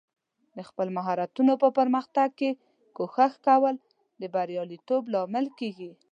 د خپل مهارتونو په پرمختګ کې کوښښ کول د بریالیتوب لامل کیږي.